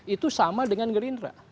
itu sama dengan gerindra